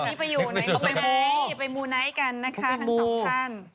อ๋อนี่ไปอยู่ไหนไปมูไนท์กันนะคะทั้งสองท่าน